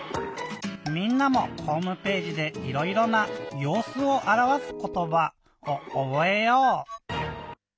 みんなもホームページでいろいろな「ようすをあらわすことば」をおぼえよう！